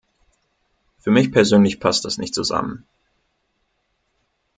Für mich persönlich passt das nicht zusammen.